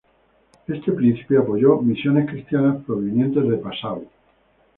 Este príncipe apoyó misiones cristianas provenientes de Passau.